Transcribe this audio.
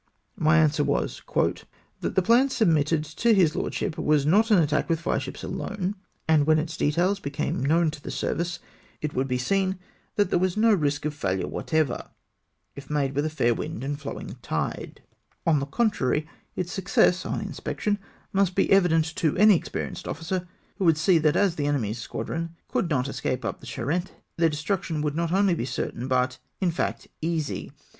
My answer was, "that the plan submitted to his lordship was not an attack with fire ships alone, and when its details became known to the service, it would be seen that there was no risk of failure whatever, if made with a fair wind and flowing tide. 346 DECLINE THE COMMAND. On the contrary, its success on inspection must be evident to any experienced officer, who would see that as the enemy's squadron could not escape up the Charente, their destruction would not only be certain, but, in fact, easy.